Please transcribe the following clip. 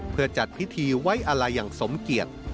เพื่อจัดพิธีไว้อาลัยอย่างสมเกียจ